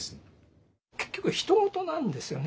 結局ひと事なんですよね。